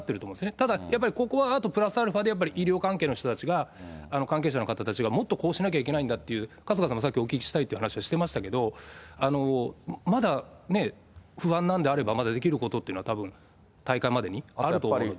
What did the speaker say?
ただやっぱり、ここはあとプラスアルファで、医療関係の人たちが、関係者の方たちが、もっとこうしなきゃいけないんだっていう、春日さんもさっきお聞きしたいという話してましたけど、まだ、ね、不安なんであれば、まだできることっていうのは、たぶん、大会までにあると思うので。